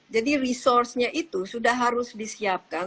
jadi resourcenya itu sudah harus disiapkan